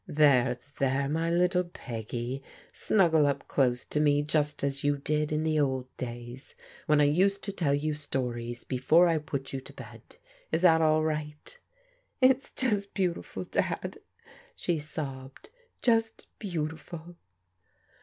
There, there, my little Peggy, snuggle up close to me just as you did in the old days when I used to tell you stories, before I put you to bed. Is that all right ?"" It's just beautiful. Dad," she sobbed, " just beauti ful!"